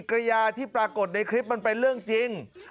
กระยาที่ปรากฏในคลิปมันเป็นเรื่องจริง